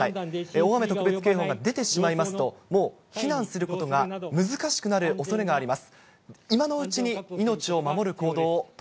大雨特別警報が出てしまいますと、もう避難することが難しくなるおそれがあります。